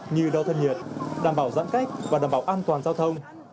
như đo thân nhiệt đảm bảo giãn cách và đảm bảo an toàn giao thông